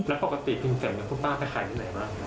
แล้วปกติพิมพ์แฝนพ่อป้าไปขายที่ไหนบ้าง